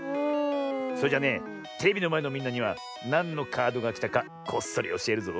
それじゃねテレビのまえのみんなにはなんのカードがきたかこっそりおしえるぞ。